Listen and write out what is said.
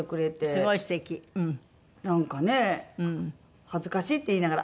すごい素敵うん。なんかね「恥ずかしい」って言いながら。